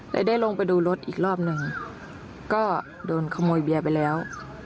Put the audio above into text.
ได้ลงไปดูรถอีกรอบหนึ่งก็โดนขโมยเบียร์ไปแล้ว